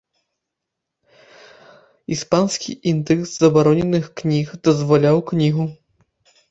Іспанскі індэкс забароненых кніг дазваляў кнігу.